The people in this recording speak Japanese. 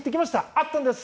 あったんです。